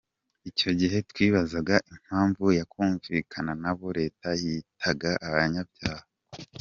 Icyo gihe twibazaga impamvu yakumvikana n’abo leta yitaga “abanyabyaha”.